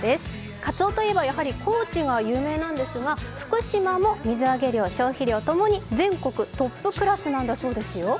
かつおといえば高知が有名なんですが福島も水揚げ量・消費量ともに全国トップクラスなんだそうですよ。